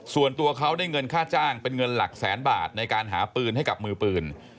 ส่วนตัวเขาได้เงินค่าจ้างเป็นเงินหลักแสนบาทในการหาปืนให้กับมือปืน